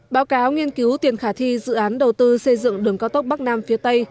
báo cáo nghiên cứu tiền khả thi dự án đầu tư xây dựng đường cao tốc bắc nam phía tây